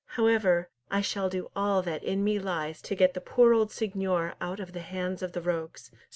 However, I shall do all that in me lies to get the poor old seignior out of the hands of the rogues.